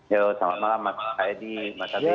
ya selamat malam selamat malam pak edi pak satif